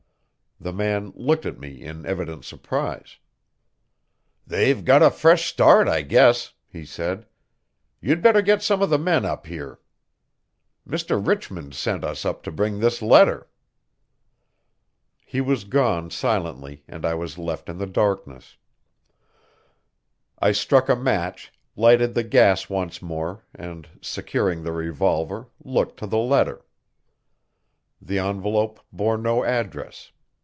The man looked at me in evident surprise. "They've got a fresh start, I guess," he said. "You'd better get some of the men up here. Mr. Richmond sent us up to bring this letter." He was gone silently, and I was left in the darkness. I struck a match, lighted the gas once more, and, securing the revolver, looked to the letter. The envelope bore no address.